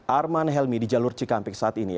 arman helmi di jalur cikampek saat ini